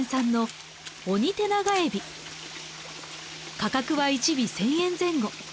価格は１尾１０００円前後。